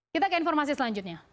kita ke informasi selanjutnya